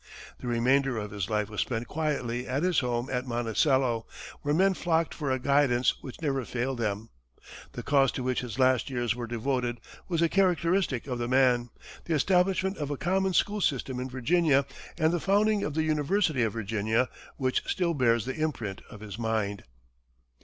The remainder of his life was spent quietly at his home at Monticello, where men flocked for a guidance which never failed them. The cause to which his last years were devoted was characteristic of the man the establishment of a common school system in Virginia, and the founding of the University of Virginia, which still bears the imprint of his mind.